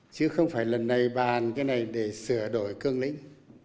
chứ không phải lần này bàn cái này để sửa đổi cương lĩnh